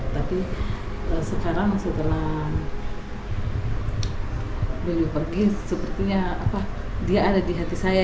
tapi sekarang setelah beliau pergi sepertinya dia ada di hati saya